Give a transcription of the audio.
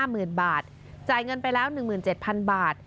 ห้ามือนบาทจ่ายเงินไปแล้วหนึ่งหมื่นเจ็ดพันบาท